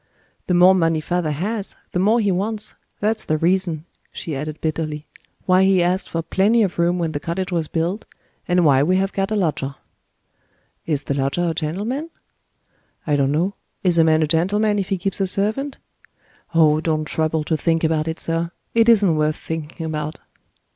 "The more money father has, the more he wants. That's the reason," she added bitterly, "why he asked for plenty of room when the cottage was built, and why we have got a lodger." "Is the lodger a gentleman?" "I don't know. Is a man a gentleman, if he keeps a servant? Oh, don't trouble to think about it, sir! It isn't worth thinking about."